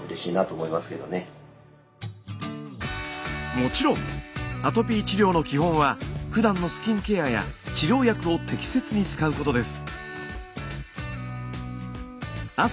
もちろんアトピー治療の基本はふだんのスキンケアや治療薬を適切に使うことです。